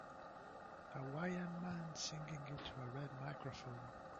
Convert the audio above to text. Hawaiian man singing into a red microphone.